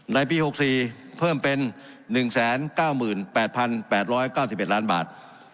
ในปี๖๔เพิ่มเป็น๑๙๘๘๙๑ล้านบาท